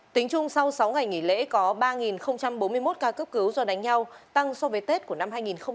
tính chung sau sáu ngày nghỉ lễ có ba bốn mươi một ca cướp cứu do đánh nhau tăng so với tết của năm hai nghìn hai mươi hai